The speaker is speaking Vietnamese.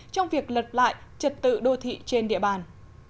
trong việc lật lại trật tự đô thị trên địa bàn